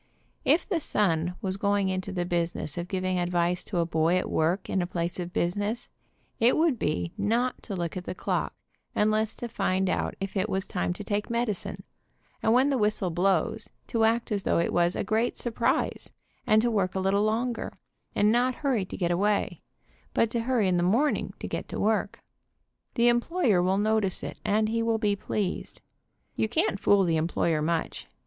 If The Sun was going into the business of giving advice 62 THE WOMAN BEHIND THE GUN to a boy at work in a place of business, it would be not to look at the clock unless to find out if it was time to take medicine, and when the whistle blows to act as though it was a great surprise, and to work a little longer, and not hurry to get away, but to hurry in the morning to get to work. The employer will notice it, and he will be pleased. You can't fool the employer much.